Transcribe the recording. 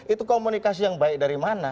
itu komunikasi yang baik dari mana